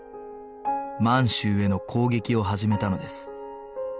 満州への攻撃を始めたのです